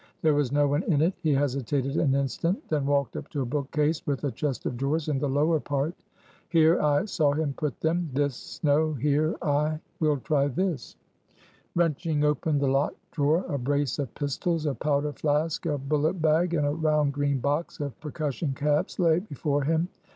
There was no one in it. He hesitated an instant; then walked up to a book case, with a chest of drawers in the lower part. "Here I saw him put them: this, no here ay we'll try this." Wrenching open the locked drawer, a brace of pistols, a powder flask, a bullet bag, and a round green box of percussion caps lay before him.